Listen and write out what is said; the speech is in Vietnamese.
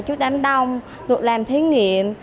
chút đám đông được làm thí nghiệm